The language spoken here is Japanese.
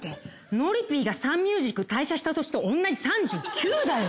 のりピーがサンミュージック退社した年と同じ３９だよ！